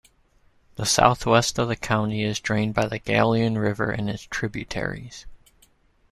The southwest of the county is drained by the Galien River and its tributaries.